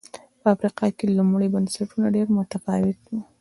په افریقا کې لومړي بنسټونه ډېر متفاوت و